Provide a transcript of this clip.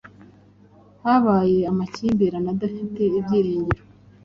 habaye amakimbirane adafite ibyiringiro